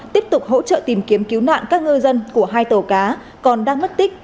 tiếp tục hỗ trợ tìm kiếm cứu nạn các ngư dân của hai tàu cá còn đang mất tích